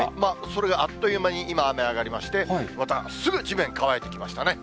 それがあっという間に今、雨上がりまして、またすぐ、地面乾いてきましたね。